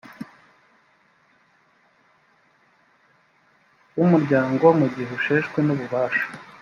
w umuryango mu gihe usheshwe n ububasha